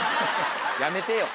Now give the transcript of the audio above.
やめてよ。